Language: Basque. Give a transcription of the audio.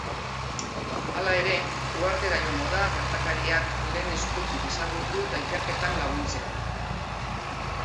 Hala ere, uhartera joango da gertakariak lehen eskutik ezagutu eta ikerketan laguntzeko.